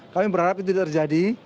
kami berharap itu terjadi